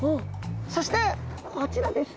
そしてこちらです。